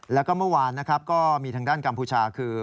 แล้วก็เมื่อวานนะครับก็มีทางด้านกัมพูชาคือ